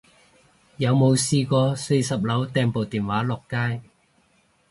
有冇試過四十樓掟部電話落街